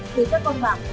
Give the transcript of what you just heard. từ các công bạc